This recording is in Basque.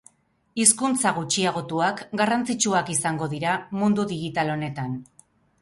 Hizkuntza gutxiagotuak garrantzitsuak izango dira mundu digital honetan.